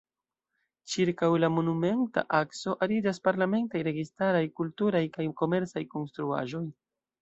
Ĉirkaŭ la Monumenta akso ariĝas parlamentaj, registaraj, kulturaj kaj komercaj konstruaĵoj.